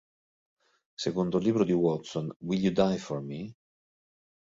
Secondo il libro di Watson "Will You Die For Me?